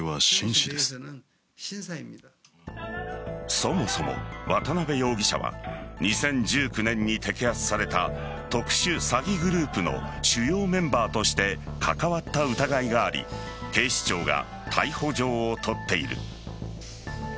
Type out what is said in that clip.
そもそも渡辺容疑者は２０１９年に摘発された特殊詐欺グループの主要メンバーとして関わった疑いがあり警視庁が逮捕状を取っている。